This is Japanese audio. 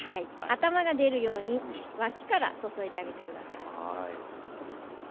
頭が出るように脇から注いであげて下さい。